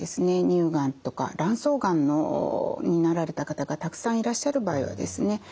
乳がんとか卵巣がんになられた方がたくさんいらっしゃる場合はですね